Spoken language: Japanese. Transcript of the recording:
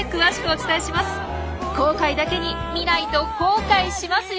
紅海だけに見ないと後悔しますよ。